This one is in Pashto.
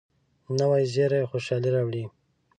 نوې زیري خوشالي راوړي